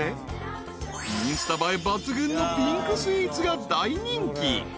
［インスタ映え抜群のピンクスイーツが大人気］